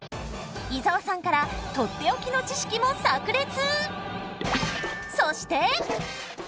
伊沢さんから取って置きの知識もさく裂！